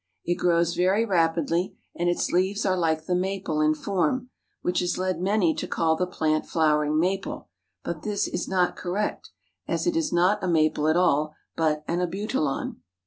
It grows very rapidly, and its leaves are like the Maple in form, which has led many to call the plant Flowering Maple, but this is not correct, as it is not a Maple at all, but an Abutilon.